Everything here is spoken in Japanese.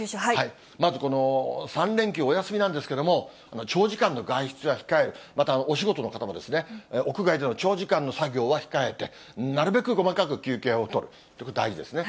まずこの３連休、お休みなんですけど、長時間の外出は控える、またお仕事の方も屋外での長時間の作業は控えて、なるべく細かく休憩を取る、大事ですね。